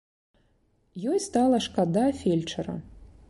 Ёй стала шкада фельчара.